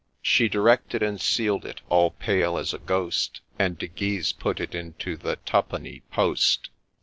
She directed and sealed it, all pale as a ghost, And De Guise put it into the Twopenny Post.